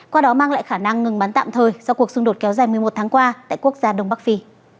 qua đó mang lại khả năng ngừng bắn tạm thời sau cuộc xung đột kéo dài một mươi một tháng qua tại quốc gia đông bắc phi